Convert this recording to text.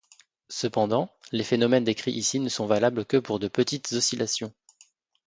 Cependant, les phénomènes décrits ici ne sont valables que pour de petites oscillations.